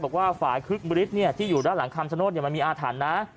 บอกว่าฝ่ายคึกบริษฐ์ที่อยู่ด้านหลังคำชโนธมันมีอาถรรพ์นะ